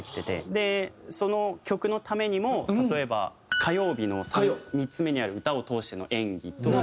でその曲のためにも例えば火曜日の３つ目にある歌を通しての演技とか。